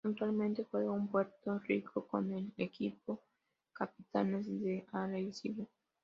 Actualmente juega en Puerto Rico con el equipo Capitanes de Arecibo.